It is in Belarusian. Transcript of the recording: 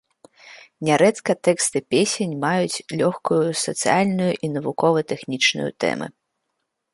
Нярэдка тэксты песень маюць лёгкую сацыяльную і навукова-тэхнічную тэмы.